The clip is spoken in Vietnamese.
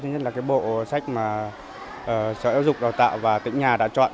thứ nhất là cái bộ sách mà sở giáo dục đào tạo và tỉnh nhà đã chọn